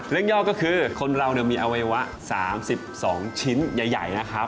ย่อก็คือคนเรามีอวัยวะ๓๒ชิ้นใหญ่นะครับ